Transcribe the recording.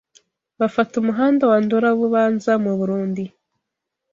bafata umuhanda wa Ndora- Bubanza mu Burundi